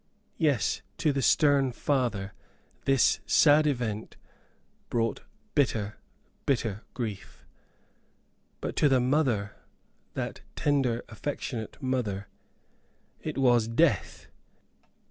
Yes, to the stern father this sad event brought bitter, bitter grief. But to the mother that tender, affectionate mother, it was death.